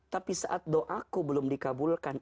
tapi saat doaku belum dikabulkan